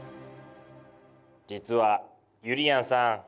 実はゆりやんさん